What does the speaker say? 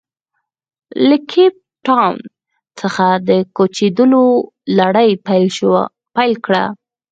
له کیپ ټاون څخه د کوچېدو لړۍ پیل کړه.